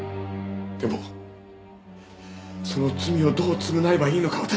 でもその罪をどう償えばいいのか